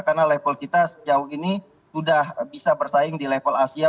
karena level kita sejauh ini sudah bisa bersaing di level asia